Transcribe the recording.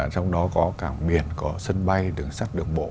trong đó có cảng biển có sân bay đường sắt đường bộ